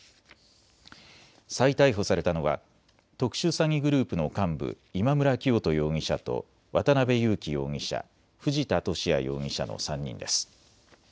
再逮捕されたのは特殊詐欺グループの幹部、今村磨人容疑者と渡邉優樹容疑者、藤田聖也容疑者の３人です。